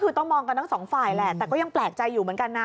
คือต้องมองกันทั้งสองฝ่ายแหละแต่ก็ยังแปลกใจอยู่เหมือนกันนะ